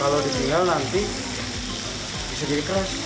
kalau ditinggal nanti bisa di crush